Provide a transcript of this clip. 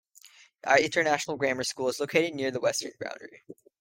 International Grammar School is located near the western boundary.